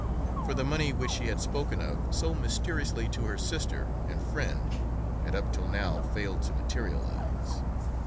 For the money which she had spoken of so mysteriously to her sister and friend had up till now failed to materialize.